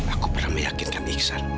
aku pernah meyakinkan iksan